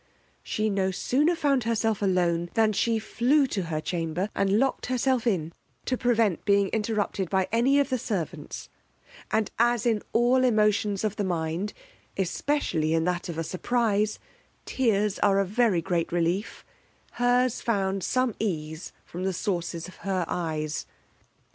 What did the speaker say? She no sooner found herself alone, than she flew to her chamber, and locked herself in, to prevent being interrupted by any of the servants; and as in all emotions of the mind, especially in that of a surprize, tears are a very great relief, her's found some ease from the sources of her eyes.